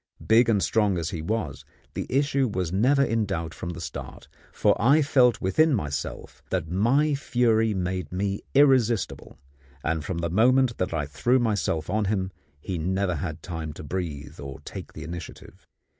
Big and strong as he was, the issue was never in doubt from the start; for I felt within myself that my fury made me irresistible, and from the moment that I threw myself on him he never had time to breathe or to take the initiative.